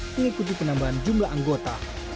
mengikuti penambahan jumlah anggota